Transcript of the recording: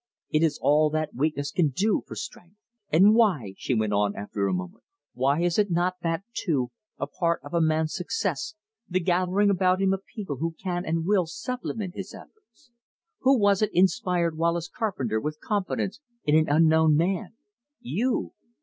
It is all that weakness can do for strength." "And why," she went on after a moment, "why is not that, too, a part of a man's success the gathering about him of people who can and will supplement his efforts. Who was it inspired Wallace Carpenter with confidence in an unknown man? You.